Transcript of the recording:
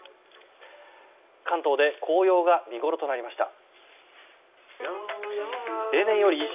関東で紅葉が見ごろとなりました。